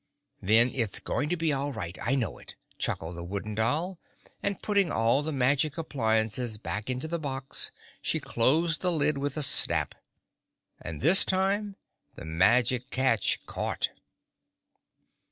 "Then it's going to be all right; I know it," chuckled the Wooden Doll, and putting all the magic appliances back into the box she closed the lid with a snap. And this time the magic catch caught.